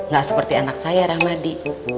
gak seperti anak saya rahmadi